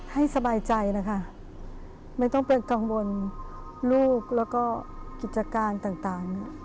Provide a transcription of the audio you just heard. สบายใจนะคะไม่ต้องเป็นกังวลลูกแล้วก็กิจการต่าง